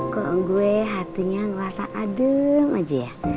kok gue hatinya ngerasa aduh aja ya